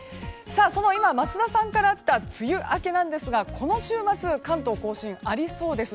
その桝田さんからあった梅雨明けなんですがこの週末、関東・甲信ありそうです。